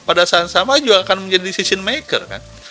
pada saat sama juga akan menjadi season maker kan